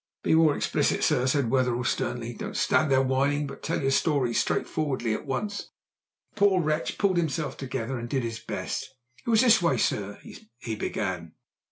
"Be more explicit, sir!" said Wetherell sternly. "Don't stand there whining, but tell your story straight forwardly and at once." The poor wretch pulled himself together and did his best. "It was in this way, sir," he began.